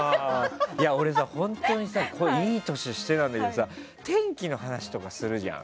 俺さ、本当にいい年してなんだけどさ天気の話とかするじゃん。